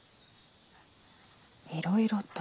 いろいろと？